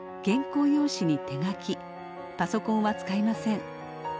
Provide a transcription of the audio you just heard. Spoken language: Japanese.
パソコンは使いません。